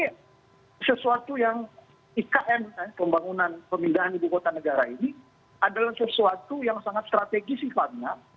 ya sesuatu yang ikn pembangunan pemindahan ibu kota negara ini adalah sesuatu yang sangat strategis sifatnya